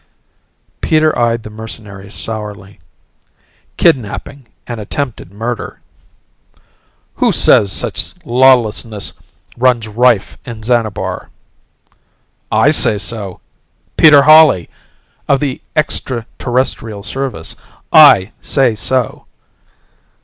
Peter eyed the mercenary sourly. "Kidnaping and attempted murder." "Who says such lawlessness runs rife in Xanabar?" "I say so. Peter Hawley of the Extraterrestrial Service. I say so."